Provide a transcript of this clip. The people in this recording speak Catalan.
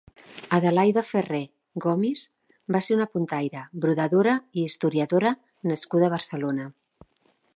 Adelaida Ferré Gomis va ser una puntaire, brodadora i historiadora nascuda a Barcelona.